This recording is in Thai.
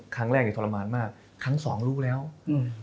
ครั้งแรกเนี่ยทรมานมากครั้งสองรู้แล้วอืม